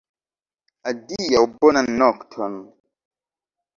Adiaŭ! Bonan nokton!